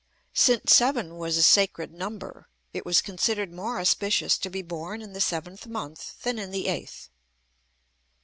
Since seven was a sacred number, it was considered more auspicious to be born in the seventh month than in the eighth.